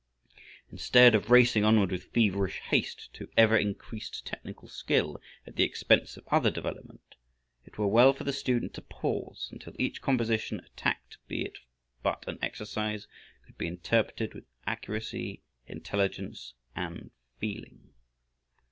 Instead of racing onward with feverish haste to ever increased technical skill at the expense of other development, it were well for the student to pause until each composition attacked, be it but an exercise, could be interpreted with accuracy, intelligence, and feeling.